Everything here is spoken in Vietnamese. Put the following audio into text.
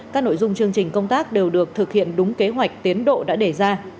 các nội dung chương trình công tác đều được thực hiện đúng kế hoạch tiến độ đã đề ra